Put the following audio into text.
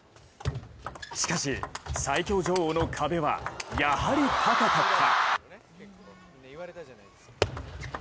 しかし、最強女王の壁はやはり高かった。